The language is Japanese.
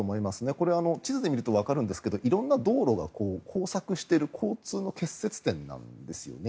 これは地図で見るとわかるんですが色んな道路が交錯している交通の結節点なんですよね。